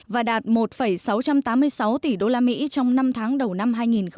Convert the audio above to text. và đạt một sáu trăm tám mươi sáu tỷ đô la mỹ trong năm tháng đầu năm hai nghìn một mươi bảy